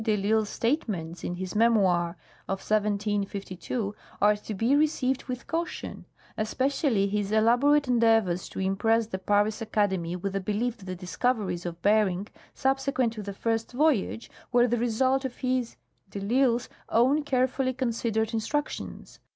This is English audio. de I'Isle's statements in his memoir of 1752 are to be received with caution, especially his elaborate endeavors to impress the Paris Academy with the belief that the discoveries of Bering subsequent to the first voyage were the result of his (de I'Isle's) own carefully considered instructions.